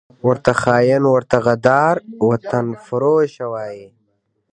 ورته خاین، ورته غدار، وطنفروشه وايي